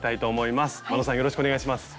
よろしくお願いします。